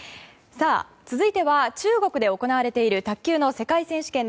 続いては中国で行われている卓球の世界選手権。